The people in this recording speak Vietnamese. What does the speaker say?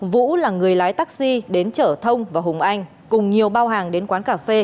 vũ là người lái taxi đến chở thông và hùng anh cùng nhiều bao hàng đến quán cà phê